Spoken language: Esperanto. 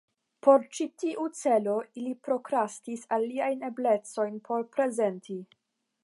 Por ĉi tiu celo ili prokrastis aliajn eblecojn por prezenti.